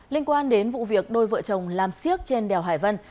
linh quan đến vụ việc đôi vợ chồng làm siếc trên đèo hải vân